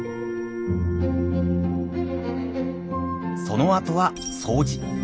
そのあとは掃除。